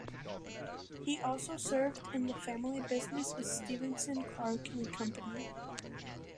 He also served in the family business of Stephenson Clarke and Company.